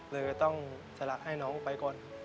เลยต้องสละให้น้องไปก่อน